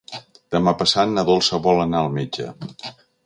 Demà passat na Dolça vol anar al metge.